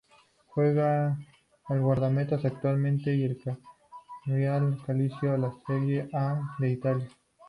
Juega de guardameta, actualmente en el Cagliari Calcio de la Serie A de Italia.